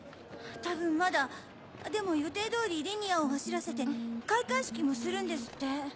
多分まだでも予定通りリニアを走らせて開会式もするんですって。